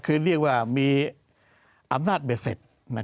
คือเรียกว่ามีอำนาจเบ็ดเสร็จ